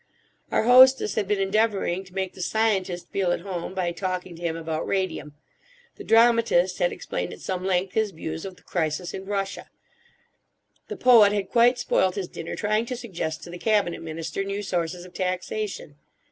Our hostess had been endeavouring to make the scientist feel at home by talking to him about radium. The dramatist had explained at some length his views of the crisis in Russia. The poet had quite spoilt his dinner trying to suggest to the Cabinet Minister new sources of taxation.